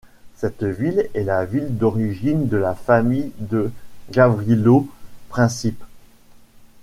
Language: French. Cette ville est la ville d'origine de la famille de Gavrilo Princip.